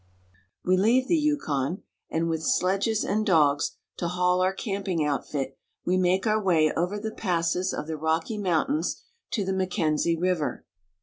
We leave the Yukon, and, with sledges and dogs to haul our camping outfit, we make our way over the passes of the Rocky Mountains to the Mackenzie River.